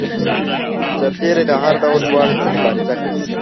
سرتیری د هر ډول ګواښ سره مبارزه کوي.